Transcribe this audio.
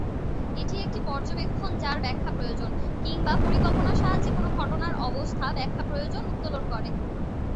এটি একটি "পর্যবেক্ষণ যার ব্যাখ্যা প্রয়োজন" কিংবা "পরিকল্পনার সাহায্যে কোনো ঘটনার অবস্থা ব্যাখ্যা প্রয়োজন" উত্তোলন করে।